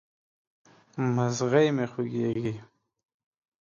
مځغی مي خوږیږي